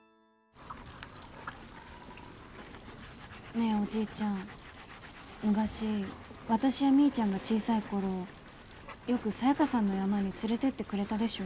ねえおじいちゃん昔私やみーちゃんが小さい頃よくサヤカさんの山に連れてってくれたでしょ？